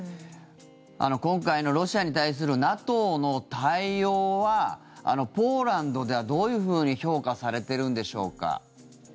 今回のロシアに対するＮＡＴＯの対応はポーランドではどういうふうに評価されているんでしょうか。